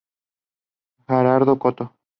Gerardo Coto.